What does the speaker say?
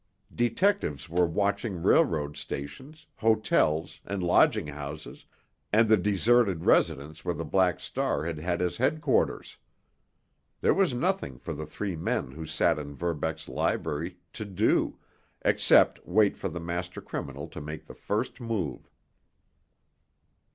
Detectives were watching railroad stations, hotels, and lodging houses, and the deserted residence where the Black Star had had his headquarters. There was nothing for the three men who sat in Verbeck's library to do except wait for the master criminal to make the first move.